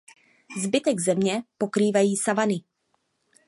Zbytek země pokrývají savany.